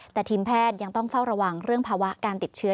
แต่ทีมแพทย์ยังต้องเฝ้าระวังเรื่องภาวะการติดเชื้อ